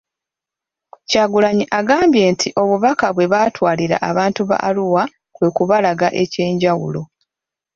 Kyagulanyi agambye nti obubaka bwe batwalira abantu ba Arua kwe kubalaga ekyenjawulo.